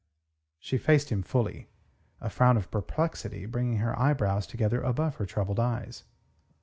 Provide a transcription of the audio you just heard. She faced him fully, a frown of perplexity bringing her brows together above her troubled eyes.